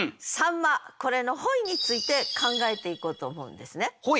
これの本意について考えていこうと思うんですね。